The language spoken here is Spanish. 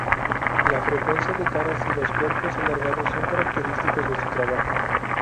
La frecuencia de caras y los cuerpos alargados son característicos de su trabajo.